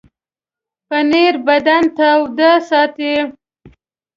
پنېر بدن تاوده ساتي.